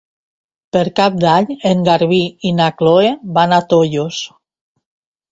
Per Cap d'Any en Garbí i na Chloé van a Tollos.